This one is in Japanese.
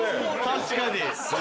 確かに。